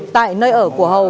tại nơi ở của hầu